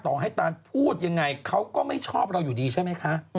ต่อให้ตานพูดยังไงเขาก็ไม่ชอบเราอยู่ดีใช่ไหมคะ